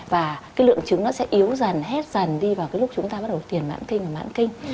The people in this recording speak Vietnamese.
và cái lượng trứng nó sẽ yếu dần hết dần đi vào cái lúc chúng ta bắt đầu tiền mãn kinh và mãn kinh